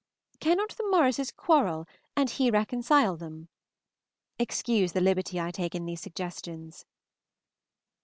Cannot the Morrises quarrel and he reconcile them? Excuse the liberty I take in these suggestions.